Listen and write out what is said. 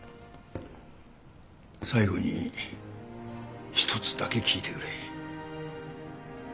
最後に一つだけ聞いてくれ。